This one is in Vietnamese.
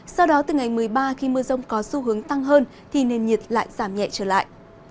sau đó từ ngày một mươi ba khi mưa rông có xu hướng tăng hơn thì nền nhiệt lại giảm nhẹ trở lại